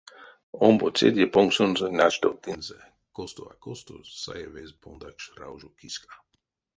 Омбоцеде понксонзо начтовтынзе косто а косто саевезь пондакш раужо киска.